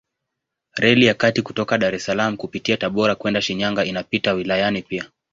Reli ya kati kutoka Dar es Salaam kupitia Tabora kwenda Shinyanga inapita wilayani pia.